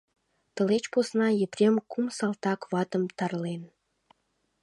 Тылеч посна Епрем кум салтак ватым тарлен.